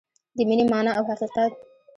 د مینې مانا او حقیقت